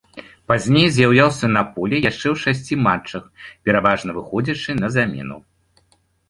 Пазней з'яўляўся на полі яшчэ ў шасці матчах, пераважна выходзячы на замену.